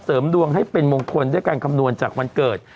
เสริมดวงให้เป็นมงคลด้วยการคำนวณจากวันเกิด